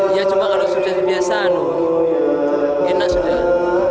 iya kalau sudah terbiasa enak sudah